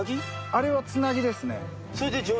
あれはつなぎですね。